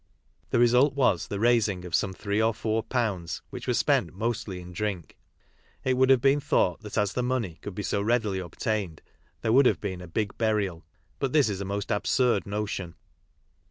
The result was the raising of some three or four pounds, which were spent mostly in drink. It would have been thought that as the money could be so readily obtained there ; would have been a " big burial," but thia is a most i absurd notion.